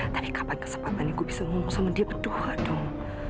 tapi kapan kesempatan ini aku bisa ngomong sama dia berdua dong